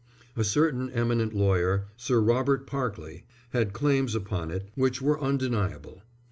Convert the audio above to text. A certain eminent lawyer, Sir Robert Parkleigh, had claims upon it which were undeniable.